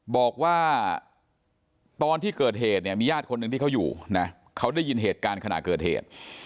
บอกว่าตอนที่เกิดเหตุเนี่ยมีญาติคนหนึ่งที่เขาอยู่นะเขาได้ยินเหตุการณ์ขณะเกิดเหตุ